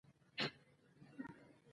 زه د بدن د سالم ساتلو سره مینه لرم.